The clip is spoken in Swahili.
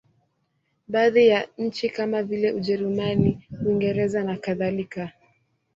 Baadhi ya nchi kama vile Ujerumani, Uingereza nakadhalika.